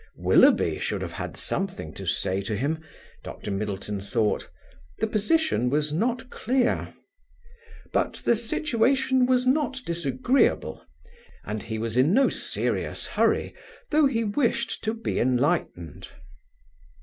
Willoughby should have had something to say to him, Dr. Middleton thought: the position was not clear. But the situation was not disagreeable; and he was in no serious hurry, though he wished to be enlightened.